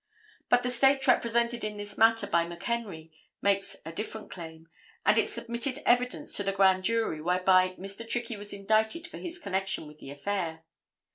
But the State represented in this matter by McHenry, makes a different claim, and it submitted evidence to the grand jury whereby Mr. Trickey was indicted for his connection with the affair.